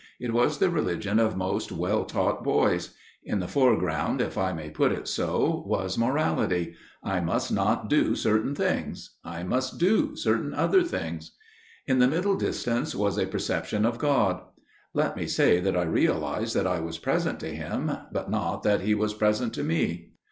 It was the religion of most well taught boys. In the fore ground, if I may put it so, was morality: I must not do certain things; I must do certain other things. In the middle distance was a perception of God. Let me say that I realised that I was present to Him, but not that He was present to me.